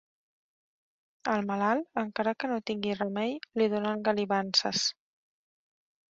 Al malalt, encara que no tingui remei, li donen galivances.